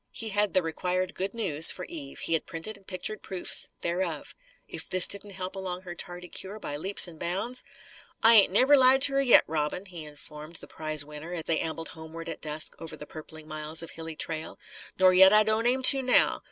He had the required "good news" for Eve. He had printed and pictured proofs thereof. If this didn't help along her tardy cure, by leaps and bounds "I ain't never lied to her yet, Robin!" he informed the prize winner as they ambled homeward at dusk over the purpling miles of hilly trail. "Nor yet I don't aim to, now.